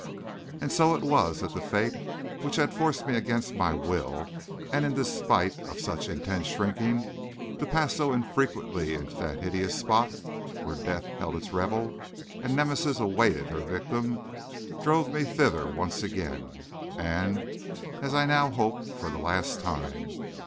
And so it was that the fate which had forced me against my will, and in despite of such intense shrinking, to pass so frequently into that hideous spot, where death held its revel and Nemesis awaited her victim, drove me thither once again, and, as I now hope, for the last time.